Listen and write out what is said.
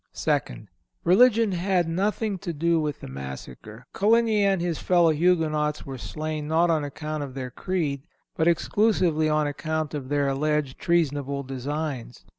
Second—Religion had nothing to do with the massacre. Coligny and his fellow Huguenots were slain not on account of their creed, but exclusively on account of their alleged treasonable designs.